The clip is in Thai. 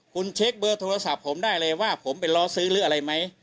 คุณเช็คเบอร์โทรศัพท์ผมได้เลยว่าผมไปล้อซื้อหรืออะไรไหม